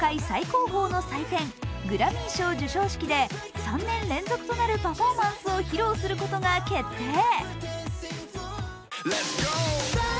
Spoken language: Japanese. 最高峰の祭典、グラミー賞授賞式で３年連続となるパフォーマンスを披露することが決定。